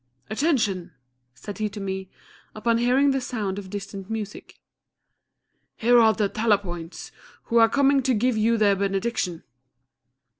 "Attention!" said he to me, upon hearing the sound of distant music. "Here are the Talapoins, who are coming to give you their benediction."